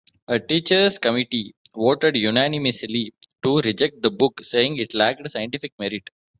A teachers' committee voted unanimously to reject the book saying it lacked scientific merit.